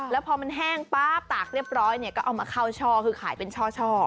แล้วพอมันแห้งป๊าบตากเรียบร้อยเนี่ยก็เอามาเข้าช่อคือขายเป็นช่อ